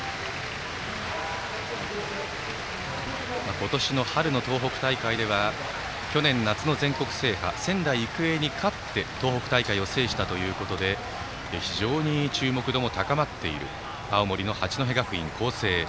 今年の春の東北大会では去年夏の全国制覇の仙台育英に勝って東北大会を制したということで非常に注目度も高まっている青森・八戸学院光星。